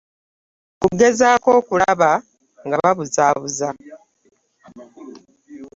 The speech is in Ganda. Kugezaako okulaba nga babuzaabuza.